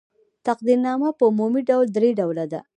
تقدیرنامه په عمومي ډول درې ډوله ده.